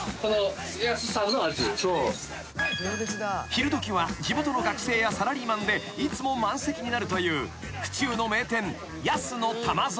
［昼時は地元の学生やサラリーマンでいつも満席になるという府中の名店］